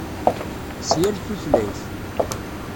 S yal tutlayt.